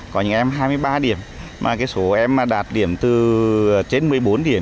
có những em hai mươi ba điểm mà cái số em mà đạt điểm từ trên một mươi bốn điểm